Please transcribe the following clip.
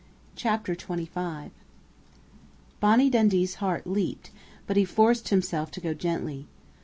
CHAPTER TWENTY FIVE Bonnie Dundee's heart leaped, but he forced himself to go softly.